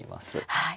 はい。